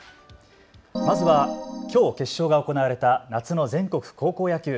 まずはきょう決勝が行われた夏の全国高校野球。